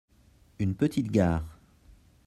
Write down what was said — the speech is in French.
une petie gare.